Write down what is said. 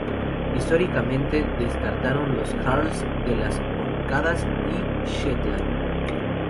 Históricamente destacaron los jarls de las Orcadas y Shetland.